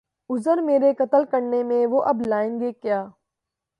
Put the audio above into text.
عذر میرے قتل کرنے میں وہ اب لائیں گے کیا